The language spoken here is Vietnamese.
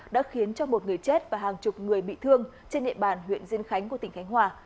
đã khiến cho một người chết và hàng chục người bị thương trên địa bàn huyện diên khánh của tỉnh khánh hòa